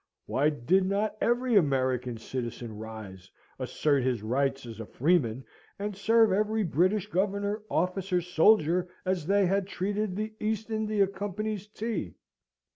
Why did not every American citizen rise, assert his rights as a freeman, and serve every British governor, officer, soldier, as they had treated the East India Company's tea?